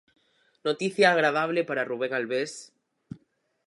Noticia agradable para Rubén Albés.